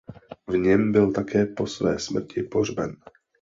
V něm byl také po své smrti pohřben.